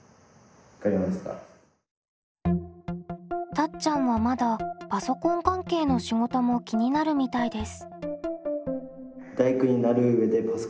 たっちゃんはまだパソコン関係の仕事も気になるみたいです。